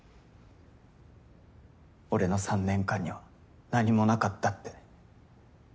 俺の３年間には何もなかったって。